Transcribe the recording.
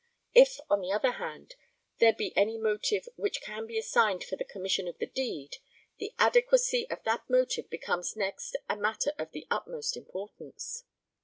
If, on the other hand, there be any motive which can be assigned for the commission of the deed, the adequacy of that motive becomes next a matter of the utmost importance.